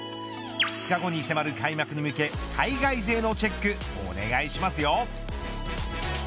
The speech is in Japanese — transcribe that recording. ２日後に迫る開幕に向け海外勢のチェックお願いしますよ。